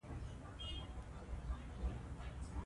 په افغانستان کې غرونه د خلکو د ژوند په کیفیت تاثیر کوي.